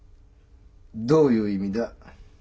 どういう意味だ？